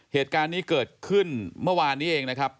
เหตุการณ์นี้เกิดขึ้นเมื่อวานนี้เองนะครับ